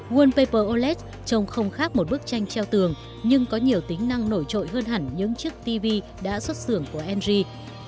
wallpaper oled trông không khác một bức tranh treo tường nhưng có nhiều tính năng nổi trội hơn hẳn những chiếc tv đã xuất xưởng của engie